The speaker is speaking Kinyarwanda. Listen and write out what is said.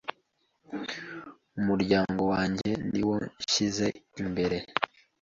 Umuryango wanjye niwo nshyize imbere